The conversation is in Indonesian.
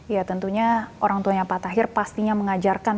ya tentunya orang tuanya pak tahir pastinya mengajarkan